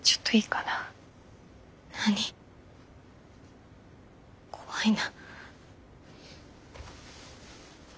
何怖いな。